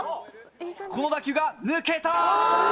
この打球が抜けた！